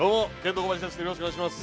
よろしくお願いします。